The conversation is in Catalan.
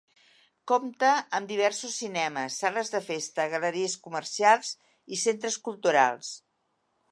Compta amb diversos cinemes, sales de festes, galeries comercials i centres culturals.